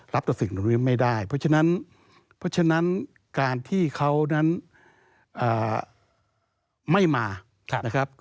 รับตระสึกตรงนี้ไม่ได้เพราะฉะนั้นการที่เขานั้นไม่มานะครับ